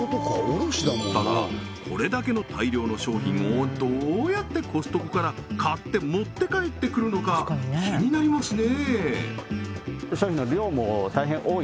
ただこれだけの大量の商品をどうやってコストコから買って持って帰ってくるのか気になりますね